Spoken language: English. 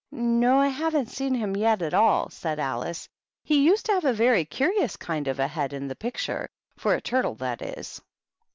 " No, I haven't seen him yet at all," said Alice. " He used to have a very curious kind of a head in the picture, — for a turtle, that is."